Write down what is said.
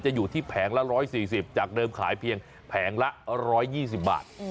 อยู่ที่แผงละ๑๔๐จากเดิมขายเพียงแผงละ๑๒๐บาท